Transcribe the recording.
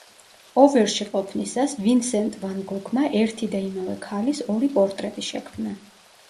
ოვერში ყოფნისას ვინსენტ ვან გოგმა ერთი და იმავე ქალის ორი პორტრეტი შექმნა.